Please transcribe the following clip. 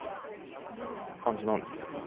感じなんですよね。